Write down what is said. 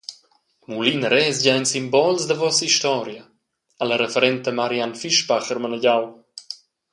«Mulin e resgia ein simbols da vossa historia», ha la referenta Marianne Fischbacher manegiau.